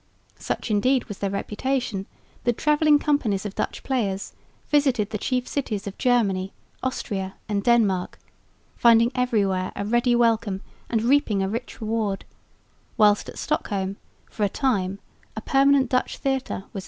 Such indeed was their reputation that travelling companies of Dutch players visited the chief cities of Germany, Austria and Denmark, finding everywhere a ready welcome and reaping a rich reward, whilst at Stockholm for a time a permanent Dutch theatre was established.